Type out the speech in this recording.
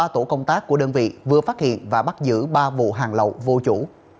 ba tổ công tác của đơn vị vừa phát hiện và bắt giữ ba vụ hàng lậu vô chủ